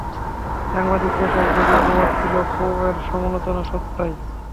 সাংবাদিকতা পেশার গভীর প্রভাব ছিল পো-এর সমালোচনা-সত্তায়।